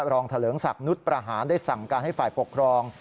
เถลิงศักดิ์นุษย์ประหารได้สั่งการให้ฝ่ายปกครอง